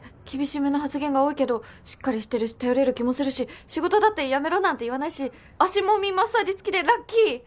厳しめの発言が多いけどしっかりしてるし頼れる気もするし仕事だって辞めろなんて言わないし足もみマッサージ付きでラッキー。